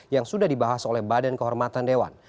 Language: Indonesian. yang sudah dibahas oleh badan kehormatan dewan